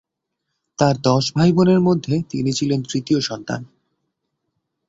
তার দশ ভাইবোনের মধ্যে তিনি ছিলেন তৃতীয় সন্তান।